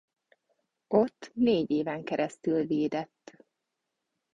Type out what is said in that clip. Ott négy éven keresztül védett.